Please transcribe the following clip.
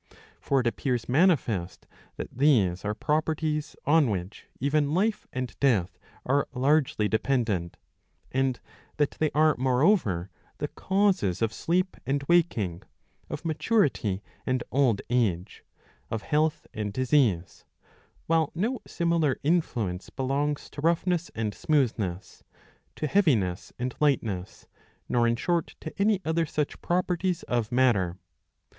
For it appears manifest, that these are properties on which even life and death '" are largely dependent, 648 b. ii. 2. 25 and that they are moreover the causes of sleep and waking, of maturity and old age, of health and disease ; while no similar influence belongs to roughness and smoothness, to heaviness and lightness, nor in short to any other such properties of matter.